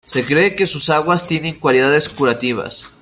Se cree que sus aguas tienen cualidades curativas.